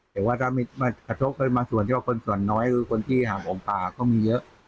แต่ว่าถ้ากระทบกันบางส่วนที่ว่าคนส่วนน้อยคือคนที่หากหลงป่าก็มีเยอะ